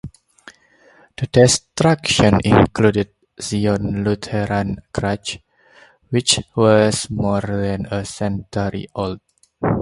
The destruction included Zion Lutheran Church, which was more than a century old.